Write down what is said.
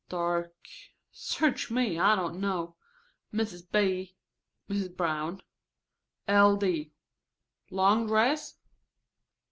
Dark ? Search me, I don't know. 'Mrs. B.' Mrs. Brown, 'l. d.' Long dress?